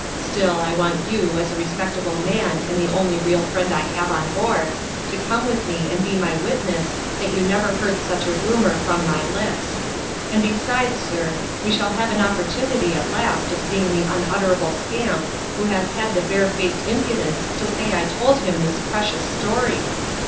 Still, I want you, as a respectable man and the only real friend I have on board, to come with me and be my witness that you never heard such a rumor from my lips ; and besides, sir, we shall have an opportunity at last of seeing the unutterable scamp who has had the barefaced impudence to say I told him this precious story